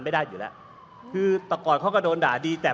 คุณจิลายุเขาบอกว่ามันควรทำงานร่วมกัน